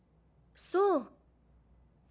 そう。